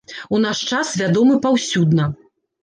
У наш час вядомы паўсюдна.